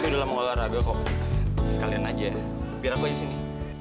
udah lah mau ngelakar agak kok sekalian aja ya biar aku aja sini